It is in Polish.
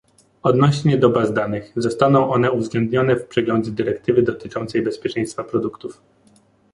Odnośnie do baz danych, zostaną one uwzględnione w przeglądzie dyrektywy dotyczącej bezpieczeństwa produktów